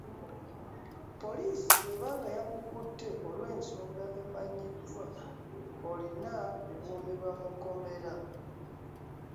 Poliisi bweba nga yakukutte olw’ensonga emanyiddwa olina kukuumirwa mu kkomera.